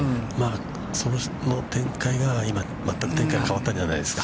その展開が、今、全く展開が変わったんじゃないですか。